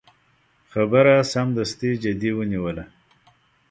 خبره سمدستي جدي ونیوله.